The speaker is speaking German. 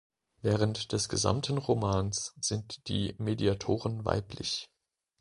Während des gesamten Romans sind die Mediatoren weiblich.